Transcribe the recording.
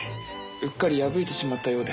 うっかり破いてしまったようで。